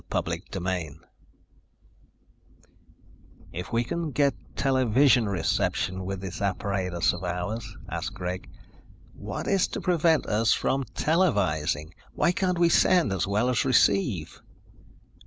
CHAPTER SIX "If we can get television reception with this apparatus of ours," asked Greg, "what is to prevent us from televising? Why can't we send as well as receive?"